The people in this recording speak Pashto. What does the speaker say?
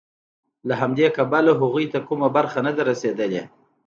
له همدې کبله هغوی ته کومه برخه نه ده رسېدلې